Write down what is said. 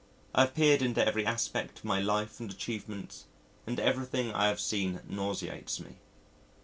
I have peered into every aspect of my life and achievements and everything I have seen nauseates me.